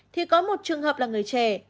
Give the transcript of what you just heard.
thì có một trường hợp là người trẻ